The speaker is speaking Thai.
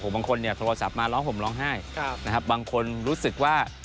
บางคนเนี่ยโทรศัพท์มาร้องห่มร้องไห้นะครับบางคนรู้สึกว่า